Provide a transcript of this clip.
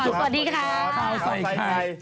ข้าวใส่ไข่